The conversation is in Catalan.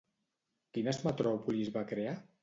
Quines metròpolis va crear?